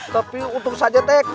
tapi untung saja tek